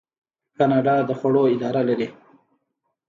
کاناډا د خوړو اداره لري.